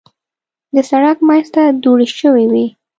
د سړک منځ ته دوړې شوې وې.